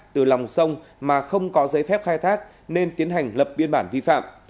từ lòng sông mà không có giấy phép khai thác nên tiến hành lập biên bản vi phạm